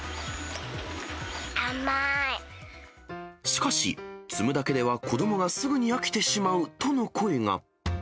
しかし、摘むだけでは子どもがすぐに飽きてしまうとの声が。